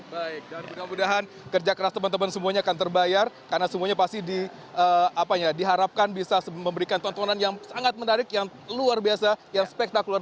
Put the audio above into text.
baik dan mudah mudahan kerja keras teman teman semuanya akan terbayar karena semuanya pasti diharapkan bisa memberikan tontonan yang sangat menarik yang luar biasa yang spektakuler